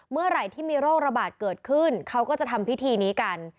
เมื่อไหร่ที่มีโรคระบาดเกิดขึ้นเขาก็จะทำพิธีนี้กัน